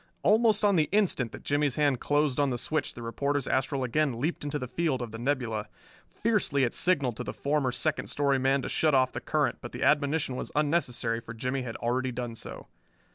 Almost on the instant that Jimmie's hand closed on the switch the reporter's astral again leaped into the field of the nebula. Fiercely it signalled to the former second story man to shut off the current, but the admonition was unnecessary, for Jimmie had already done so.